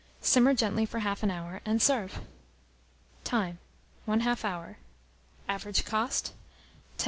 Simmer gently for half an hour, and serve. Time. 1/2 an hour. Average cost, 10d.